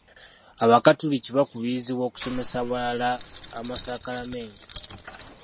Abakatuliki baakubirizibwa okusomesa abalala amasaakalamentu.